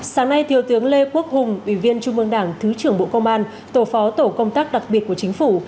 sáng nay thiếu tướng lê quốc hùng ủy viên trung mương đảng thứ trưởng bộ công an tổ phó tổ công tác đặc biệt của chính phủ